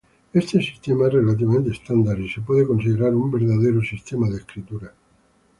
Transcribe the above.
Este sistema es relativamente estándar, y se puede considerar un verdadero sistema de escritura.